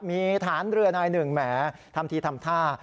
มีฐานเรือนายหนึ่งแหมทำทีทำท่า